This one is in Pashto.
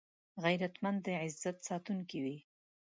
غیرتمند د عزت ساتونکی وي